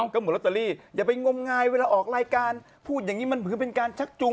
ก็เหมือนลอตเตอรี่อย่าไปงมงายเวลาออกรายการพูดอย่างนี้มันถือเป็นการชักจุง